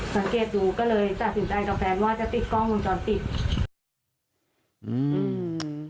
สังเกตดูก็เลยจัดสินใจกับแฟนกล้องวงจรปิด